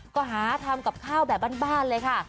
ก็หาทำกับข้าวแบบบ้านเลยค่ะ